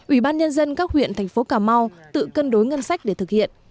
ubnd các huyện thành phố cà mau tự cân đối ngân sách để thực hiện